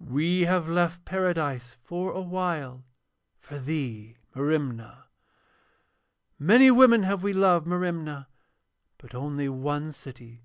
'We have left Paradise for awhile for thee, Merimna. 'Many women have we loved, Merimna, but only one city.